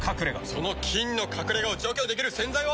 その菌の隠れ家を除去できる洗剤は。